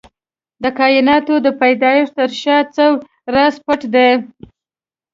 د کائناتو د پيدايښت تر شا څه راز پټ دی؟